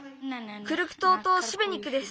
クルク島とシベニクです。